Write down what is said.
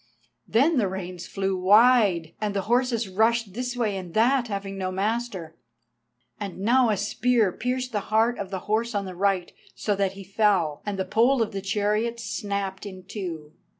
Then the reins flew wide, and the horses rushed this way and that, having no master. And now a spear pierced the heart of the horse on the right, so that he fell, and the pole of the chariot snapped in two.